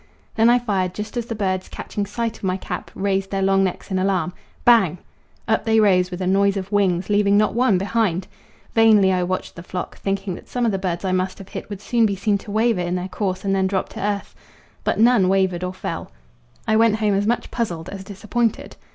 Then I fired just as the birds, catching sight of my cap, raised their long necks in alarm. Bang! Up they rose with a noise of wings, leaving not one behind! Vainly I watched the flock, thinking that some of the birds I must have hit would soon be seen to waver in their course and then drop to earth. But none wavered or fell. I went home as much puzzled as disappointed.